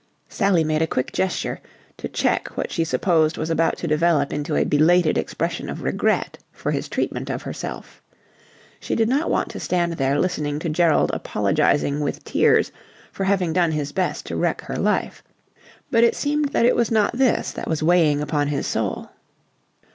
Sally made a quick gesture, to check what she supposed was about to develop into a belated expression of regret for his treatment of herself. She did not want to stand there listening to Gerald apologizing with tears for having done his best to wreck her life. But it seemed that it was not this that was weighing upon his soul.